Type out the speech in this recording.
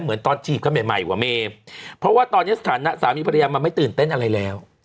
เหมือนตอนจีบกันใหม่กว่าเมเพราะว่าตอนนี้สถานะสามีภรรยามันไม่ตื่นเต้นอะไรแล้ว